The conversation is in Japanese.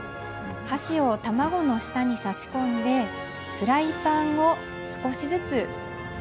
箸を卵の下に差し込んでフライパンを少しずつ逃す感じですね。